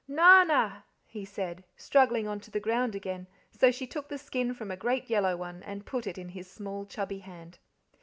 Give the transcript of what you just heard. "Narna," he said, struggling onto the ground again; so she took the skin from a great yellow one and put it in his small, chubby hand.